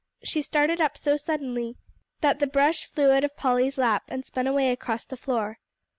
She started up so suddenly that the brush flew out of Polly's lap and spun away across the floor.